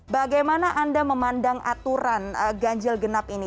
bagaimana anda memandang aturan ganjil genap ini